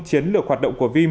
chiến lược hoạt động của vim